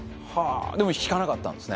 でも引かなかったんですね。